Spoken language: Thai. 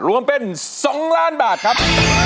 รวมเป็น๒ล้านบาทครับ